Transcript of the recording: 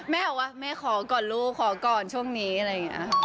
แม่บอกว่าแม่ขอก่อนลูกขอก่อนช่วงนี้อะไรอย่างนี้